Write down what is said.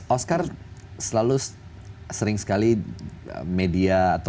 oscar selalu sering sekali media ataupun orang orang yang terlibat di industri film amerika